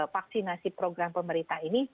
vaksinasi program pemerintah ini